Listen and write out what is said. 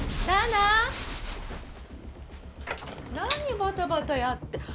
なにバタバタやって。